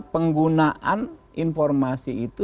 penggunaan informasi itu